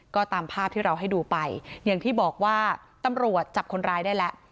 ก็ตามภาพที่เราให้ดูไปอย่างที่บอกว่าตำรวจจับคนร้ายได้แล้ว